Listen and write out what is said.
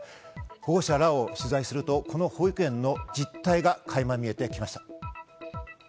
保護者らを取材すると、この保育園の実態がかいま見えてきました。